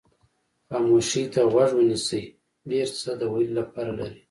خاموشۍ ته غوږ ونیسئ ډېر څه د ویلو لپاره لري.